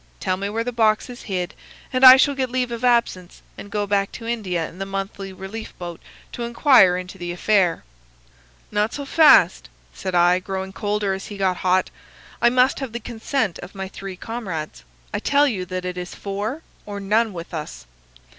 Tell me where the box is hid, and I shall get leave of absence and go back to India in the monthly relief boat to inquire into the affair.' "'Not so fast,' said I, growing colder as he got hot. 'I must have the consent of my three comrades. I tell you that it is four or none with us.